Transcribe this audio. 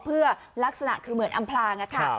เพื่อลักษณะคือเหมือนอำพลางค่ะ